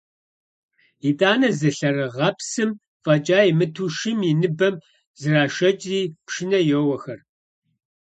ИтӀанэ, зы лъэрыгъэпсым фӀэкӀа имыту, шым и ныбэм зрашэкӀри, пшынэ йоуэхэр.